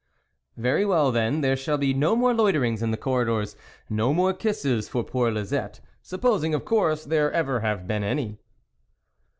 " Very well then, there shall be no more loiterings in the corridors, no more kisses for poor Lisette, supposing of course there ever have been any